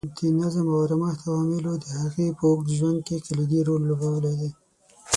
د نظم او ارامښت عواملو د هغې په اوږد ژوند کې کلیدي رول لوبولی.